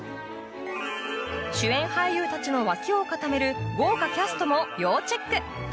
主演俳優たちの脇を固める豪華キャストも要チェック！